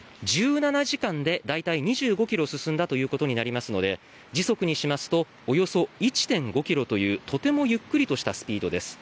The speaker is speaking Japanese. １７時間で大体２５ｋｍ進んだということになりますので時速にしますとおよそ１．５ｋｍというとてもゆっくりとしたスピードです。